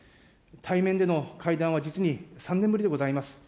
対面での会談は実に３年ぶりでございます。